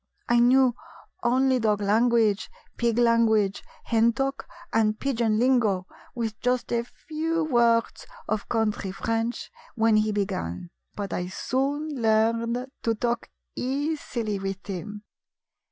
I knew only dog language, pig language, hen talk and pigeon lingo, with just a few words of country French when he be gan ; but I soon learned to talk easily with him.